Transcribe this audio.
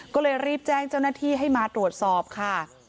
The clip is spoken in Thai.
ก็เลยรีบแจ้งเจ้าหน้าที่ให้มาตรวจสอบค่ะ